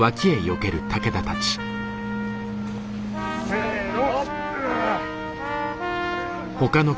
せの！